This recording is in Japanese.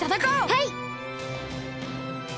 はい！